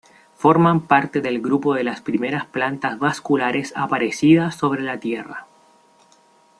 Forman parte de grupo de las primeras plantas vasculares aparecidas sobre la Tierra.